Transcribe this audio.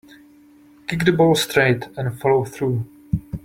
Kick the ball straight and follow through.